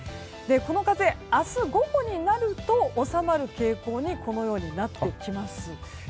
この風、明日午後になると収まる傾向になってきます。